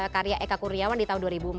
karya eka kuriawan di tahun dua ribu empat belas